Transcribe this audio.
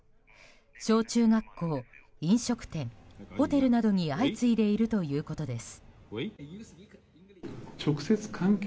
小中学校、飲食店、ホテルなどに相次いでいるということです。